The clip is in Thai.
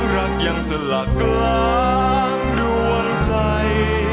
รักยังสละกลางดวงใจ